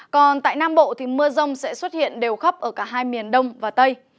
còn tại nam bộ thì mưa rông sẽ xuất hiện đều khắp ở cả hai miền đông và tây